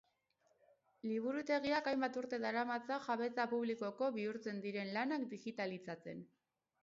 Liburutegiak hainbat urte daramatza jabetza publikoko bihurtzen diren lanak digitalizatzen.